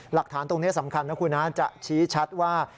หลักฐานตรงนี้สำคัญนะคุณจะชี้ชัดว่า